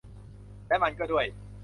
และมันก็ด้วย